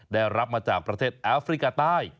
ได้รับมาจากประเทศแอฟริกาใต้